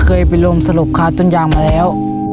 ก็เคยไปรวมสะลบค่าต้นอย่างมาแล้ว